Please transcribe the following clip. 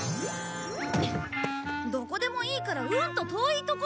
どこでもいいからうんと遠い所！